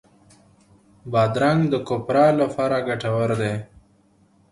بادرنګ د کوپرا لپاره ګټور دی.